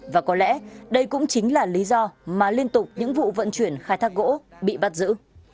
và có lẽ đây cũng chính là lý do mà liên tục những vụ vận chuyển khai thác gỗ bị bắt giữ